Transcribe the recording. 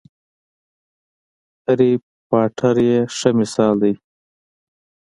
هرې پاټر یې ښه مثال دی.